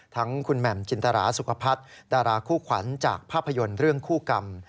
ทั้งคุณแหม่มจินตราสุขภัทรดาราคู่ขวัญจากภาพยนตร์เรื่องคู่กรรม